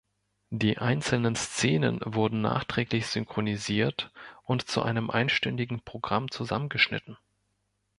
Die einzelnen Szenen wurden nachträglich synchronisiert und zu einem einstündigen Programm zusammengeschnitten.